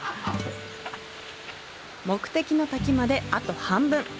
目的の滝まであと半分。